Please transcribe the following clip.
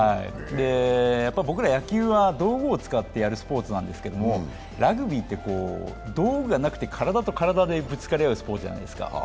僕ら野球は道具を使ってやるスポーツなんですけど、ラグビーって道具がなくて体と体でぶつかり合うスポーツじゃないですか。